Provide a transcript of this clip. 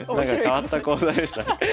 変わった講座でしたね。